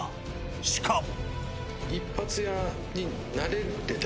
しかも。